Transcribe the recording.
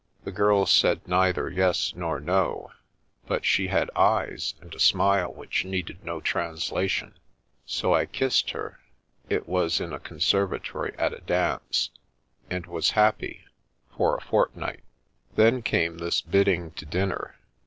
The girl said neither yes nor no, but she had eyes and a smile which needed no translation, so I kissed her (it was in a conservatory at a dance) and was happy — for a fortnight. Then came this bidding to dinner.